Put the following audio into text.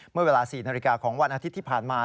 เมื่อเวลา๔นาฬิกาของวันอาทิตย์ที่ผ่านมา